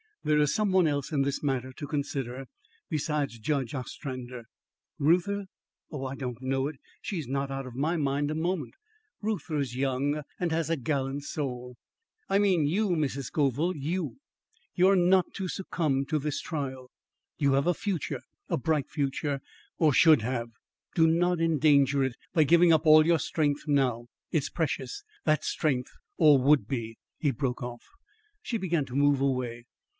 "There is some one else in this matter to consider besides Judge Ostrander." "Reuther? Oh, don't I know it! She's not out of my mind a moment." "Reuther is young, and has a gallant soul. I mean you, Mrs. Scoville, you! You are not to succumb to this trial. You have a future a bright future or should have. Do not endanger it by giving up all your strength now. It's precious, that strength, or would be " He broke off; she began to move away.